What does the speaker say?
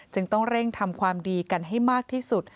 ต้องเร่งทำความดีกันให้มากที่สุด